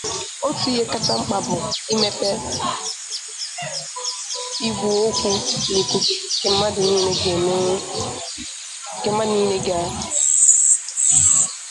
One of its priorities was the establishment of national airline.